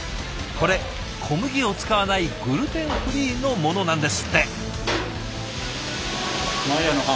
これ小麦を使わないグルテンフリーのものなんですって。